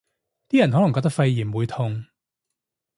啲人可能覺得肺炎會痛